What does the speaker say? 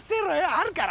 あるから。